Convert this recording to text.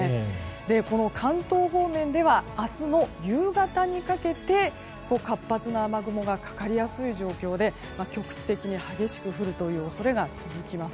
この関東方面では明日の夕方にかけて活発な雨雲がかかりやすい状況で局地的な激しく降るという恐れが続きます。